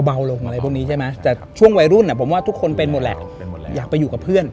ลงอะไรพวกนี้ใช่ไหมแต่ช่วงวัยรุ่นผมว่าทุกคนเป็นหมดแหละอยากไปอยู่กับเพื่อน